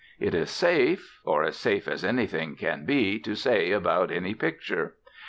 It is safe, or as safe as anything can be, to say about any picture.